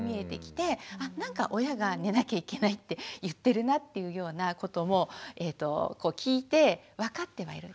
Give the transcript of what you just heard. あなんか親が「寝なきゃいけないって言ってるな」っていうようなことも聞いてわかってはいる。